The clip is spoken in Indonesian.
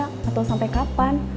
gak tau sampe kapan